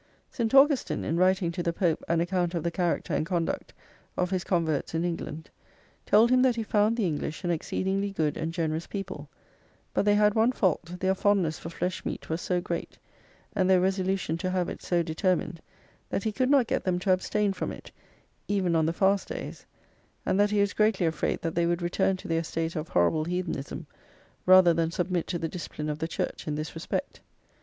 St. Augustine, in writing to the Pope an account of the character and conduct of his converts in England, told him that he found the English an exceedingly good and generous people; but they had one fault, their fondness for flesh meat was so great, and their resolution to have it so determined, that he could not get them to abstain from it, even on the fast days; and that he was greatly afraid that they would return to their state of horrible heathenism, rather than submit to the discipline of the church in this respect.